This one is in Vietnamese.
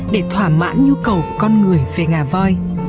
để thỏa mãn nhu cầu con người về ngà voi